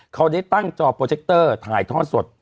เขาได้ตั้งจอโปรเจคเตอร์ถ่ายทอดสด